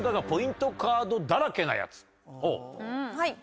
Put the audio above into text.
はい。